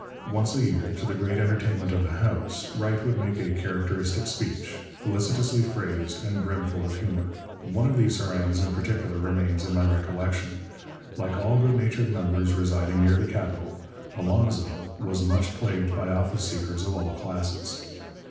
Once a year, to the great entertainment of the House, Wright would make a characteristic speech, felicitously phrased and brimful of humour. One of these harangues in particular remains in my recollection. Like all good natured members residing near the capital, 'Alonzo' was much plagued by office seekers of all classes.